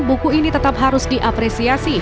buku ini tetap harus diapresiasi